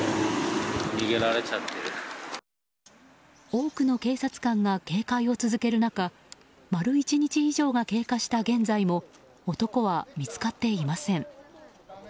多くの警察官が警戒を続ける中丸１日以上が経過した現在も男は見つかっていません。